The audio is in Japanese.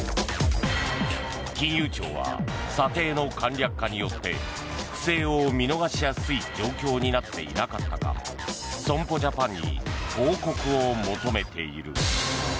金融庁は査定の簡略化によって不正を見逃しやすい状況になっていなかったか損保ジャパンに報告を求めている。